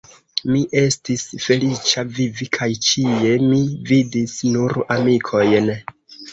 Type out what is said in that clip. Mi estis feliĉa vivi, kaj ĉie mi vidis nur amikojn.